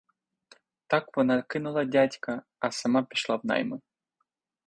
Так вона кинула дядька, а сама пішла в найми.